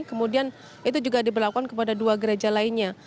kemudian itu juga diberlakukan kepada dua gereja lainnya